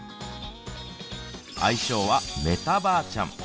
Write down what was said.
愛称はメタばあちゃん。